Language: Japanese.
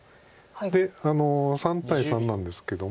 で３対３なんですけども。